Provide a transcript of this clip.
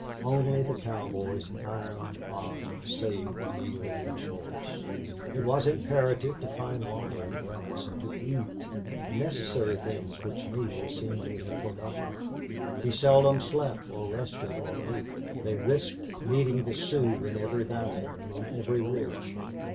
Only the cowboy's iron arm saved Neale and his horse. It was imperative to find water and grass, and to eat, necessary things which Neale seemed to have forgotten. He seldom slept or rested or ate. They risked meeting the Sioux in every valley and on every ridge.